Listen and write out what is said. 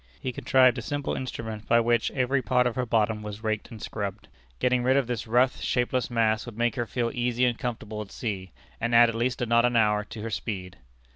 He contrived a simple instrument by which every part of her bottom was raked and scrubbed. Getting rid of this rough, shapeless mass would make her feel easy and comfortable at sea, and add at least a knot an hour to her speed.